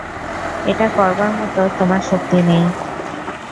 এটা করবার মতো তোমার শক্তি নেই।